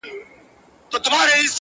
دا چي له کتاب سره ياري کوي.